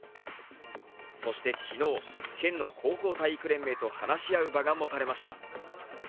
そして昨日、県の高校体育連盟と話し合う場が持たれました。